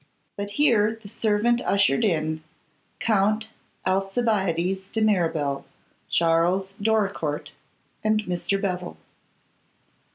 But here the servant ushered in Count Alcibiades de Mirabel, Charles Doricourt, and Mr. Bevil.